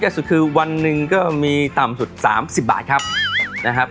สุดคือวันหนึ่งก็มีต่ำสุด๓๐บาทครับนะครับ